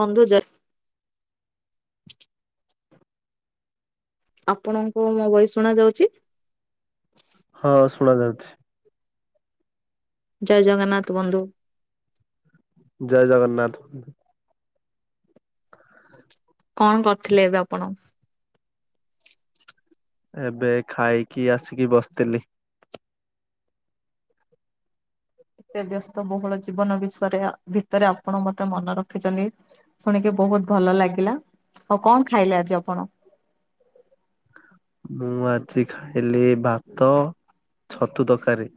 ବନ୍ଧୁ ଜ ଆପଣଙ୍କୁ ମୋ ବହି ଶୁଣା ଯାଉଛି। ହଁ ଶୁଣା ଯାଉଛି। ଜୟ ଜଗନ୍ନାଥ ବନ୍ଧୁ। ଜୟ ଜଗନ୍ନାଥ। କଣ କରିଥିଲେ ଏବେ ଆପଣ? ଏବେ ଖାଇକି ଆସିକି ବସିଥିଲି। ଏତେ ବ୍ୟସ୍ତ ବହୁଳ ଜୀବନ ବିଷୟରେ ଭିତରେ ଆପଣ ମତେ ମନେ ରଖିଛନ୍ତି ଶୁଣିକି ବହୁ [inaudible] ମୁଁ ଆଜି ଖାଇଲି ଭାତ ଛତୁ ତରକାରୀ।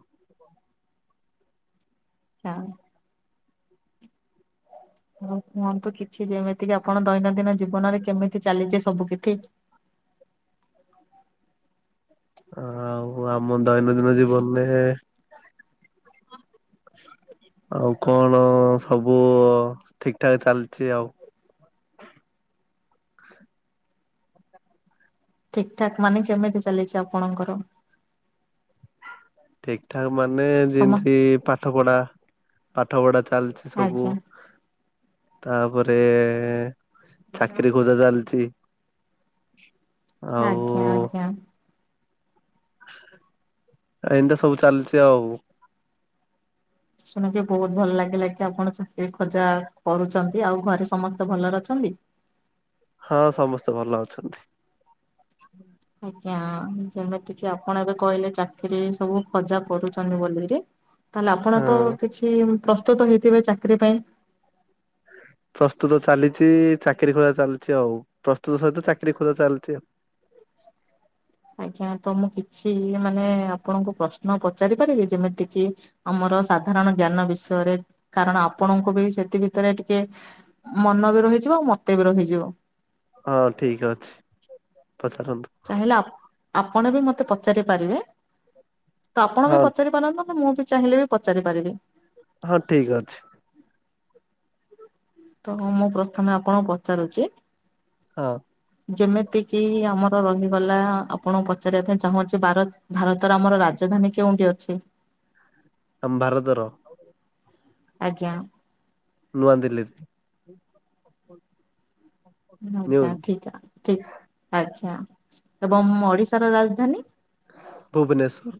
ହଁ। ଆଉ କୁହନ୍ତୁ କିଛି ଯେମିତି କି ଆପଣ ଦୈନନ୍ଦିନ ଜୀବନରେ କେମିତି ଚାଲିଛି ସବୁ କିଥି । [inaudible] ଆଉ ଆମ ଦୈନନ୍ଦିନ ଜୀବନରେ [inaudible] ଆଉ କଣ ସବୁ ଠିକଠାକ ଚାଲିଛି ଆଉ? [inaudible] ଠିକ ଠାକ ମାନେ କେମିତି ଚାଲିଛି ଆପଣଙ୍କର? ଠିକ ଠାକ ମାନେ ସମସ୍ତ ଯେମିତି ପାଠ ପଢା ପାଠ ପଢା ଚାଲିଛି ସବୁ ଆଜ୍ଞା ତାପରେ ଚାକିରି ଖୋଜା ଚାଲିଛି ଆଉ ଆଜ୍ଞା ଆଜ୍ଞା। ଏଇଁତି ସବୁ ଚାଲିଛି ଆଉ ଶୁଣିକି ବହୁତ ଭଲ ଲାଗିଲା କିି ଆପଣ ଚାକିରି ଖୋଜା କରୁଛନ୍ତି ଆଉ ଘରେ ସମସ୍ତେ ଭଲରେ ଅ ଛନ୍ତି [inaudible] ହଁ ସମସ୍ତେ ଭଲ ଅଛନ୍ତି। ଆଜ୍ଞା ଯେମିତିକି ଆପଣ ଏବେ କହିଲେ ଚାକିରି ସବୁ ଖୋଜା କରୁଛନ୍ତି ବୋଲି କିରି ତାହେଲେ ଆପଣ ହଁ। ତ କିଛି ପ୍ରସ୍ତୁତ ହେଇଥିବେ ଚାକିରୀ ପାଇଁ ପ୍ରସ୍ତୁତ ଚାଲିଛି ଚାକିରି ଖୋଜା ଚାଲିଛି ଆଉ ପ୍ରସ୍ତୁତ ସହିତ ଚାକିରି ଖୋଜା ଚାଲିଛି ଆଉ। [unintelligible] ଆଜ୍ଞା ତ ମୁଁ କିଛି ମାନେ ଆପଣଙ୍କୁ ପ୍ରଶ୍ନ ପଚାରି ପାରିବି ଯେମିତି କିି ଆମ ସାଧାରଣ ଜ୍ଞାନ ବିଷୟରେ କାରଣ ଆପଣଙ୍କୁ ବି ସେଥି ଭିତରେ ଟିକେ ମନ ବିର ରହିଯିବ ମତେ ବି ରହିଯିବ। ହଁ ଠିକ ଅଛି ପଚାରନ୍ତୁ? ଚାହିଁଲେ ଆପଣ ବି ମତେ ପଚାରି ପାରିବେ ତ ଆପଣ ହଁ ବି ପଚାରି ପାରନ୍ତୁ ନା ମୁଁ ବି ଚାହିଁଲେ ବି ପଚାରି ପାରିବେ। ହଁ ଠିକ ଅଛି ତ ମୁଁ ପ୍ରଥମେ ଆପଣଙ୍କୁ ପଚାରୁଛି ହଁ। ଯେମିତିକି ଆମର ରହିଗଲା ଆପଣ ପଚାରିବା ପାଇଁ ଚାହୁଁଛି ଭାରତର ଆମର ରାଜ ଧାନୀ କେଉଁଠି ଅଛି? ଆମ ଭାରତର ଆଜ୍ଞା। ନୂଆ ଦିଲ୍ଲୀରେ ଆଜ୍ଞା ଠିକ ଠିକ ଆଜ୍ଞା ଏବଂ ଓଡିଶାର ରାଜଧାନୀ? ଭୁବନେଶ୍ୱର।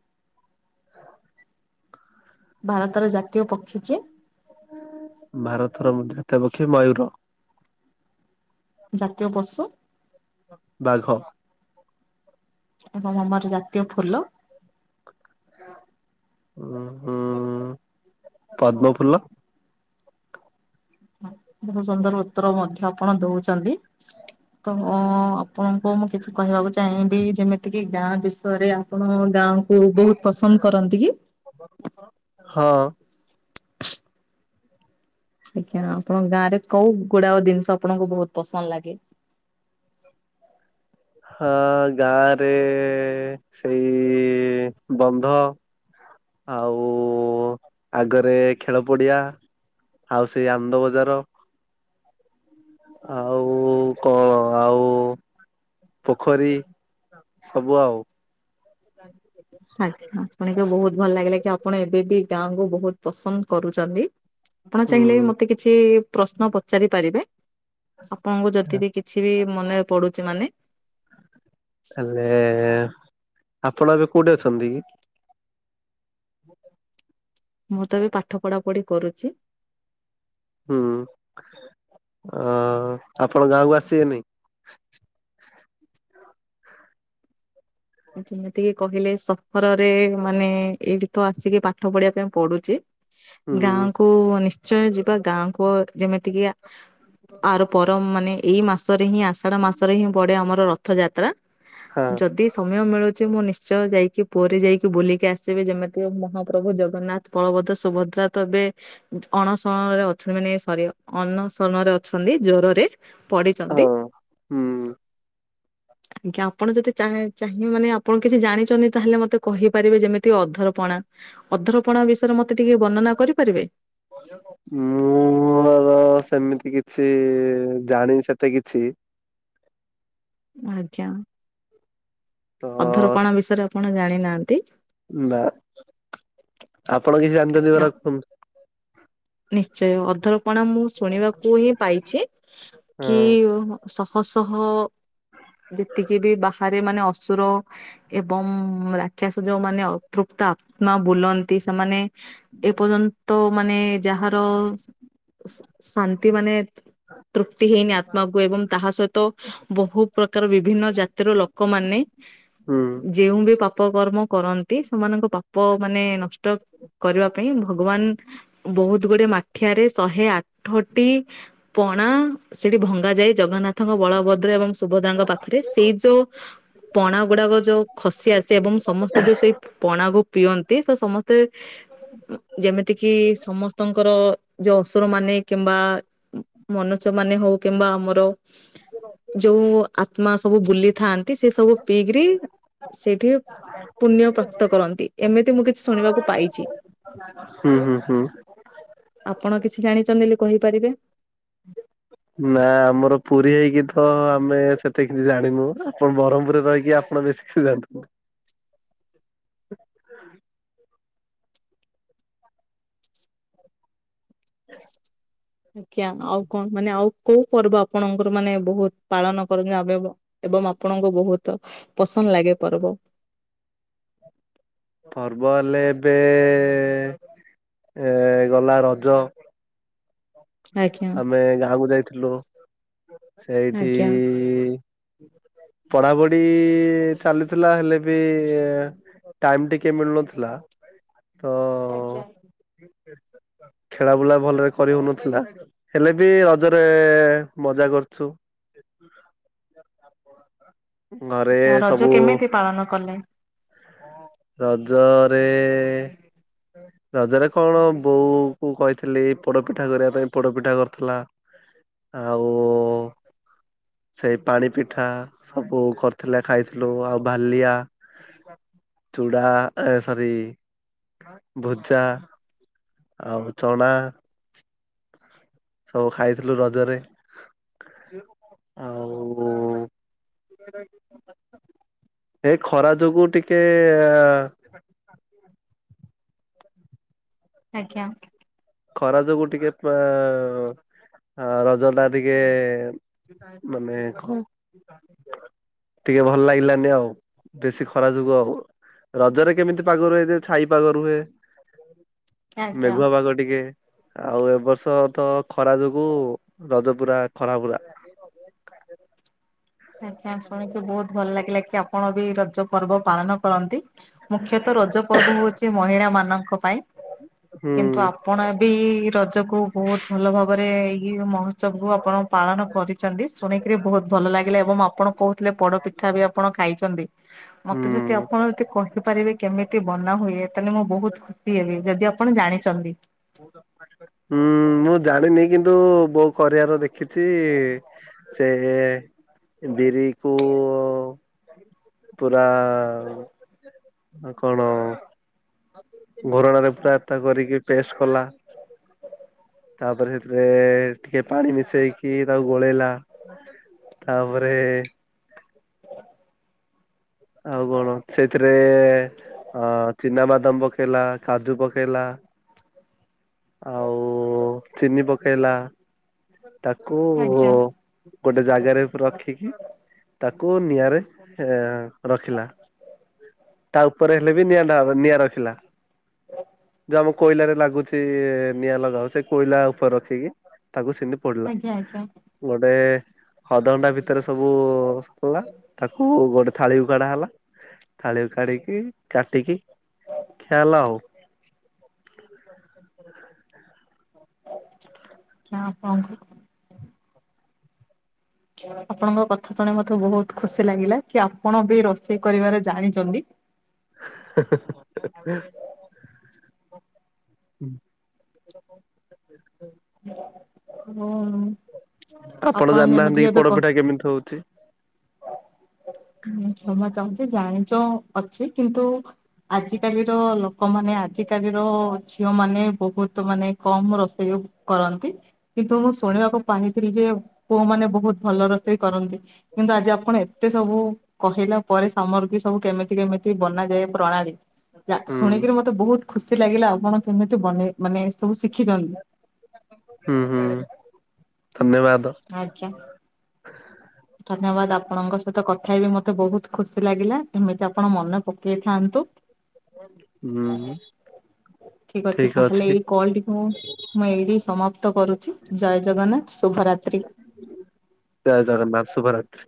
ଭାରତର ଜାତୀୟ ପକ୍ଷୀ କିଏ? ଭାରତର ଜାତୀୟ ପକ୍ଷୀ ମୟୂର। ଜାତୀୟ ପଶୁ? ବାଘ। ଏବଂ ଆମର ଜାତୀୟ ଫୁଲ? ଉଁ ହୁଁ ପଦ୍ମ ଫୁଲ। ବହୁତ୍ ସୁନ୍ଦର ଉତ୍ତର ମଧ୍ୟ ଆପଣ ଦଉଚନ୍ତି। ତ ଆପଣଙ୍କୁ ମୁଁ କିଛି କହିବାକୁ ଚାହିଁବି ଯେମିତି କିି ଗାଁ ବିଷୟରେ ଆପଣ ଗାଁ ବହୁତ ପସନ୍ଦ କରନ୍ତି କି? ହଁ ଆଜ୍ଞା ଆପଣଙ୍କ ଗାଁ ରେ କୋଉ ଗୁଡାକ ଜିନିଷ ଆପଣଙ୍କୁ ବହୁତ ପସନ୍ଦ ଲାଗେ। [unintelligible] ହଁ ଗାଁରେ ସେଇ ବନ୍ଧ ଆଉ ଆଗରେ ଖେଳ ପଡିଆ ଆଉ ସେଇ ଆନନ୍ଦ ବଜାର? ଆଉ କଣ ଆଉ ପୋଖରୀ ସବୁ ଆଉ। ଆଜ୍ଞା ଆପଣଙ୍କୁ ବହୁତ ଭଲ ଲାଗିଲା କି ଆପଣ ଏବେ ବି ଗାଁକୁୁ ବହୁତ ପସନ୍ଦ କରୁଚନ୍ତି। ଆପଣ ହୁଁ ଚାହିଁଲେ ବି ମତେ କିଛି ପ୍ରଶ୍ନ ପଚାରି ପାରିବେ? ଆପଣଙ୍କୁ ଯଦି ବିି କିଛି ବି ମନେ ପଡୁଛି ମାନେ ହେଲେ ଆପଣ ଏବେ କୋଉଠି ଅଛନ୍ତି କି? [unintelligible] ମୁଁ ତ ଏବେ ପାଠ ପଢା ପଢି କରୁଛି। ହୁଁ ଅ ଆପଣ ଗାଁକୁ ଆସିବେନି? ଯେମିତିକି କହିଲେ ସହରରେ ମାନେ ଏଇଠି ତ ଆସିକି ପାଠ ପଢିବା ପାଇଁ ପଡୁଛି। ହୁଁ ଗାଁକୁ ନିଶ୍ଚୟ ଯିବା ଗାଁକୁ ଯେମିତିକି ଆର ପର ମାନେ ଏଇ ମାସରେ ହିଁ ଆଷାଢ ମାସରେ ହିଁ ପଡେ ଆମର ରଥଯାତ୍ରା। ହଁ ଯଦି ମିଳୁଚି ମୁଁ ନିଶ୍ଚୟ ଯାଇକି ପୁରୀ ଯାଇକି ବୁଲିକି ଆସିବି ଯେମିତି ମହାପ୍ରଭୁ ଜଗନ୍ନାଥ, ବଳଭଦ୍ର, ସୁଭଦ୍ରା। ସୁଭଦ୍ରା ତ ଏବେ ଅଣସରଣରେ ଅଛନ୍ତି ମାନେ ସରି ଅଣସରଣରେ ଅଛନ୍ତି ଜରରେ। ପଢିଛନ୍ତି ହଁ ହୁଁ ଆଜ୍ଞା ଆପଣ ଯଦି ଚାହାଁ ଚାହିଁ ମାନେ ଆପଣ କିଛି ଜାଣିଛନ୍ତି ତାହେଲେ ମତେ କହିପାରିବେ ଯେମିତି ଅଧରପଣା ଅଧରପଣା ବିଷୟରେ ମତେ ଟିକେ ବର୍ଣ୍ଣନା କରିପାରିବେ? ମୁଁ ର ସେମିତି କି କିଛି ଜାଣିିନି ସେତେ କିଛି। ଆଜ୍ଞା। ତ ଅଥରପଣା ବିଷୟରେ ଆପଣ ଜାଣିନାହାନ୍ତି। ବା ଆପଣ କିଛି ଜାଣିଚନ୍ତି ୟା, ରଖନ୍ତୁ। ନିଶ୍ଚୟ ଅଥର କଣା ମୁଁ ଶୁଣିବାକୁ ହିଁ ପାଇଛି କି ହଁ। ହସହ। ଯେତିକି ବି ବାହାରେ ମାନେ ଅସୁର ଏବଂ ରାକ୍ଷସ ଯୋଉ ମାନେ ଅତୃପ ତ ଆତ୍ମା ବୁଲନ୍ତି ସେମାନେ ଏ ପର୍ଯ୍ୟନ୍ତ ମାନେ ଯାହାର ଶାନ୍ତି ମାନେ [unintelligible] ତୃପ୍ତି ହେଇନି ଆତ୍ମାକୁ ଏବଂ ତାହା ସହିତ ବହୁ ପ୍ରକାର ବିଭିନ୍ନ ଜାତିର ଲୋକମାନେ ହୁଁ ଯେଉଁ ବି ପା ପାପ କର୍ମ କରନ୍ତି ସେମାନଙ୍କ ପାପ ମାନେ ନଷ୍ଟ କରିବା ପାଇଁ ଭଗବାନ ବହୁତ ଗୁଡେ ମାଠିଆରେ ଶହେ ଆଠଟି ପଣା ସେଠି ଭଙ୍ଗା ଯାଇ ଜଗନ୍ନାଥଙ୍କ ବଳଭଦ୍ର ଏବଂ ସୁଭଦ୍ରାଙ୍କ ପାଖରେ ସେଇ ଯୋଉ ପଣା ଗୁଡାକ ଯୋଉ ଖସି ଆସେ ଏବଂ ସମସ୍ତେ ଯୋଉ ସେଇ ପଣାକୁ ପିଅନ୍ତି ସେ ସମସ୍ତେ ଯେମିତି କି ସମସ୍ତଙ୍କର ଯୋଉ ଅସୁର ମାନେ କିମ୍ବା ମନୁଷ୍ୟ ମାନେ ହଉ କିମ୍ବା ଆମର ଯୋଉ ଆତ୍ମା ସବୁ ବୁଲିଥାନ୍ତି। ସେଠି ସେ ସବୁ ପିଇକିରି ସେଠି ପୁଣ୍ୟ ପ୍ରାପ୍ତ କରନ୍ତି ଏମିତି ମୁଁ କିଛି ଶୁଣିବାକୁ ପାଇଚି। ହୁଁ ହୁଁ ହୁଁ। ଆପଣ କିଛି ଜାଣିଛନ୍ତି ବୋଲି କହିପାରିବେ? ନା ଆମର ପୁରୀ ହେଇକି ତ ଆମେ ସେତେ କିଛି ଜାଣିନୁ ଆପଣ ବ୍ରହ୍ମପୁରରେ ରହିକି ଆପଣ ବେଶୀ କି ଜାଣିଥିବେ। [inaudible] ହଁ। ଆଜ୍ଞା ଆଉ କଣ ମାନେ ଆଉ କୋଉ ପର୍ବ ଆପଣଙ୍କର ମାନେ ବହୁତ ପାଳନ କରନ୍ତି ଆବେବ? ଏବଂ ଆପଣଙ୍କୁ ବହୁତ ପସନ୍ଦ ଲାଗେ ପର୍ବ। ପର୍ବ ହେଲେ ଏବେ ଏ ଗଲା ରଜ ଆଜ୍ଞା ଆମେ ଗାଁକୁ ଯାଇଥିଲୁ ସେଇଠି ଆଜ୍ଞା ଇ ଇ ପଢାପଢି ଚାଲିଥିଲା ହେଲେ ବି ଏଁ ଟାଇମ ଟିକେ ମିଳୁନଥିଲା ତ ଆଜ୍ଞା। ଖେଳା ବୁଲା ଭଲରେ କରି ହଉନ ହେଲେ ବି ରଜରେ ମଜା କରୁଛୁ। ଘରେ ଆଛା ରଜ ସବୁ କେମିତି ପାଳନ କଲେ? ରଜରେ ରଜରେ କଣ ବୋଉ କୁ କହିଥିଲି ପୋଡପିଠା କରିବା ପାଇଁ ପୋଡପିଠା କରିଥିଲା। ଆଉ ସେଇ ପାଣି ପିଠା ସବୁ କରିଥିଲା ଖାଇଥିଲୁ ଆଉ ଭାଲିଆ ଚୁଡ଼ା ସରି ଭୁଜା ଆଉ ଚଣା ସବୁ ଖାଇଥିଲୁ ରଜରେ ଆଉ ଏ ଖରା ଯୋଗୁ ଟିକେ ଆଁ ଆଜ୍ଞା । ଖରା ଯୋଗୁ ଟିକେ ପା ଆ ରଜ ଟା ଟିକେ ମାନେ କଣ ଟିକେ ଭଲ ଲାଗିଲାନି ଆଉ ବେଶୀ ଖରା ଯୋଗୁ ଆଉ ରଜରେ କେମିତି ପାଗ ର ହୁଏ ଯେ ଛାଇ ପାଗ ର ହୁଏ ଆଜ୍ଞା। ମେଘୁଆ ପାଗ ଟି ଆଉ ଏ ବର୍ଷ ତ ଖରା ଯୋଗୁ ରଜ ପୁରା ଖରା ପୁରା । ଆଜ୍ଞା ଶୁଣିକି ବହୁତ ଭଲ ଲାଗିଲା କି ଆପଣ ବି ରଜ ପର୍ବ ପାଳନ କରନ୍ତି । ମୁଖ୍ୟତଃ ରଜ ପର୍ବ ହଉଚି ମହିଳା ମାନଙ୍କ ପାଇଁ । ହୁଁ କିନ୍ତୁ ଆପଣ ବି ରଜକୁ ବହୁତ ଭଲ ଭାବରେ ଏଇ ମହୋତ୍ସବ କୁ ଆପଣ ପାଳନ କରିଛନ୍ତି ସୁ ଶୁଣିକିରି ବହୁତ ଭଲ ଲାଗିଲା ଏବଂ ଆପଣ କହୁଥିଲେ ପୋଡପିଠା ବି ଆପଣ ଖାଇଛନ୍ତି । ମତେ ଯଦି ହୁଁ ଆପଣ ଯଦି କହେ କି ପାରିବି କେମିତି ବନା ହୁଏ ତାହେଲେ ମୁଁ ବହୁତ ଖୁସି ହେବି ଯଦି ଆପଣ ଜାଣିଛନ୍ତି । ହୁଁ ମୁଁ ଜାଣିନି କିନ୍ତୁ ବୋଉ କରିବାର ଦେଖ କିଛି ସେ ବିରି କୁ ଉ ପୁରା କଣ ଘୋରଣାରେ ପୁରାତା କରିକି ପେଷ୍ଟ କଲା ତାପରେ ସେଥିରେ ଟିକେ ପାଣି ମିଶେଇକି ତାକୁ ଗୋଳେଇଲା ତାପରେ ଆଉ କଣ ସେଥିରେ ଚିନାବାଦାମ ପକେଇଲା କାଜୁ ପକେଇଲା ଆଉ ଚିନି ପକେଇଲା ତାକୁ ଆଜ୍ଞା ଗୋଟେ ଜାଗାରେ ୟାକୁ ରଖିକି ତାକୁ କୁ ନିଆଁରେ ରଖିଲା ତା ଉପରେ ହେଲେ ବି ନିଆଁ ଢାଳା ହବ ନିଆଁ ରଖିଲା ଯୋଉ ଆମ କୋଇଲାରେ ଲାଗୁଚି ନିଆଁ ଲଗା ହଉ ସେ କୋଇଲା ଉପରେ ରଖିକି ତାକୁ ସେମିତି ପୋଡଲା ଆଜ୍ଞା ଆଜ୍ଞା ଗୋଟେ ଅଧ ଘଣ୍ଟା ଭିତରେ ସବୁ ସରଲା ତାକୁ ଗୋଟେ ଥାଳିକୁ କାଡା ହେଲା ଥାଳି କୁ କାଢିକି କାଟିକି ଖିଆ ହେଲା ଆଉ । କିଆଁ ଆପଣଙ୍କୁ ଆପଣଙ୍କ କଥା ଶୁଣ ମତେ ବହୁତ ଖୁସି ଲାଗିଲା କି ଆପଣ ବି ରୋଷେଇ କରିବାରେ ଜାଣିଛନ୍ତି? [inaudible] ଆପଣ ଜାଣିନାହାନ୍ତି କି ପୋଡପିଠା କେମିତି ହେଉଛି? ହମ ଚାହୁଁଛି ଜାଣିଛ ଅଛି କିନ୍ତୁ ଆଜିକାଲିର ଲୋକମାନେ ଆଜିକାଲିର ଝିଅ ମାନେ ମାନେ ବହୁତ ମାନେ କମ ରୋଷେଇ କରନ୍ତି, କିନ୍ତୁ ମୁଁ ଶୁଣିବାକୁ ପାଇଥିଲି ଯେ ପୁଅ ମାନେ ବହୁତ ଭଲ ରୋଷେଇ କରନ୍ତି କିନ୍ତୁ ଆଜି ଆପଣ ଏତେ ସବୁ କହିଲା ପରେ ସାମରିକ୍ରୀ ସବୁ କେମିତି କେମିତି ବନାଯାଏ ପ୍ରଣାଳୀ ହୁଁ ଶୁଣିକିରି ମତେ ବହୁତ ଖୁସି ଲାଗିଲା ଆଉ କଣ କେମିତି ବନେଇ ମାନେ ସବୁ ଶିଖିଛନ୍ତି। ହୁଁ ହୁଁ ଧନ୍ୟବାଦ। ଆଜ୍ଞା ଧନ୍ୟବାଦ ଆପଣଙ୍କ ସହିତ କଥା ହେ ବିି ମତେ ବହୁତ ଖୁସି ଲାଗିଲା, ଏମିତି ଆପଣ ମନେ ପକେଇଥା ନ୍ତୁ। ହୁଁ । ଠିକ ଅଛି ତାହେଲେ ଏଇ କଲଟିକୁ ମୁଁ ଏଇଠି ସମାପ୍ତ କରୁଛି ଜୟ ଜଗନ୍ନାଥ ଶୁଭରାତ୍ରି। ଜୟ ଜଗନ୍ନାଥ ଶୁଭରାତି।